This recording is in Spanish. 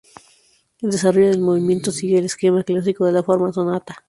El desarrollo del movimiento sigue el esquema clásico de la forma sonata.